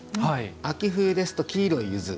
秋冬ですと黄色いゆず。